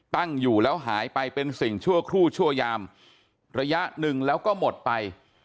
ตั้งอยู่แล้วหายไปเป็นสิ่งชั่วครู่ชั่วยามระยะหนึ่งแล้วก็หมดไป